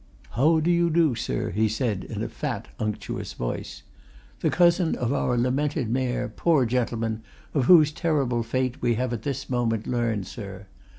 "How do you do, sir?" he said in a fat, unctuous voice. "The cousin of our lamented Mayor, poor gentleman, of whose terrible fate we have this moment learned, sir.